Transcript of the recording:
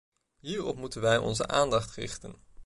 Hierop moeten wij onze aandacht richten.